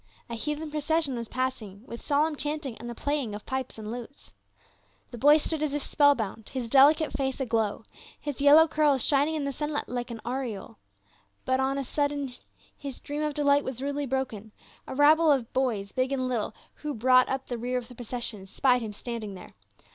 A heathen procession was passing with solemn chanting and the playing of pipes and lutes. The boy stood as if spell bound, his delicate face aglow, his yellow curls shining in the sunlight like an aureole ; but on a sud den his dream of delight was rudely broken, a rabble of boys big and little, who brought up the rear of the procession spied him standing there.